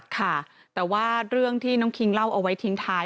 ค่ะแต่ว่าเรื่องที่น้องคิงเล่าเอาไว้ทิ้งท้าย